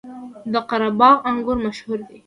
د قره باغ انګور مشهور دي